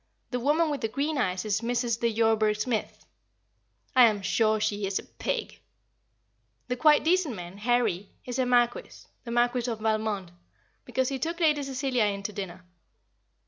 The woman with the green eyes is Mrs. de Yorburgh Smith. I am sure she is a pig. The quite decent man, "Harry," is a Marquis the Marquis of Valmond because he took Lady Cecilia in to dinner.